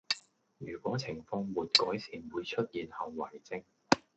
如果情況沒改善會出現後遺症